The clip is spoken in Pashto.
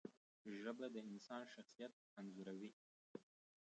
ژبه د انسان شخصیت انځوروي